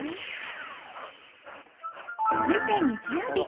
続いて日曜日。